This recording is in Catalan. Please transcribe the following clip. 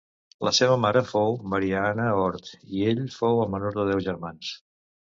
La seva mare fou Maria Anna Hort i ell fou el menor de deu germans.